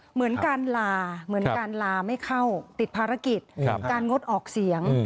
เหมือนการลาไม่เข้าติดภารกิจการงดออกเสียง